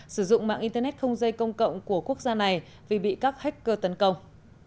sử dụng mạng internet không dây công cộng của quốc gia này vì bị các hacker tấn công